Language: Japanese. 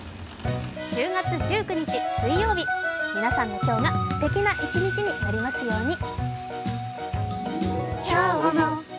１０月１９日水曜日、皆さんの今日がすてきな一日になりますように。